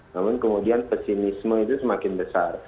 namun kemudian pesimisme itu semakin besar